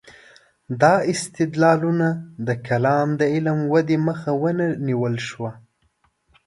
دا استدلالونه د کلام د علم ودې مخه ونه نیول شوه.